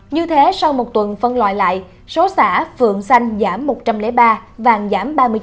như thế sau một tuần phân loại lại số xã phượng xanh giảm một trăm linh ba vàng giảm ba mươi chín